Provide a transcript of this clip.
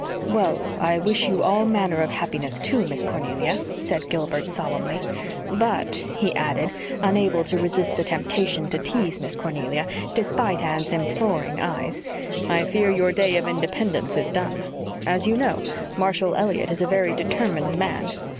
"Well, I wish you all manner of happiness too, Miss Cornelia," said Gilbert, solemnly; "but," he added, unable to resist the temptation to tease Miss Cornelia, despite Anne's imploring eyes, "I fear your day of independence is done. As you know, Marshall Elliott is a very determined man."